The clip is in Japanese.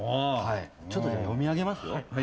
ちょっと読み上げますよ。